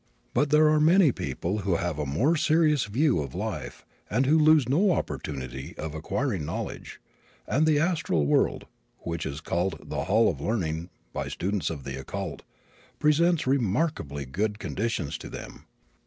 But there are many people who have a more serious view of life and who lose no opportunity of acquiring knowledge, and the astral world, which is called "the hall of learning" by students of the occult, presents remarkably good conditions to them.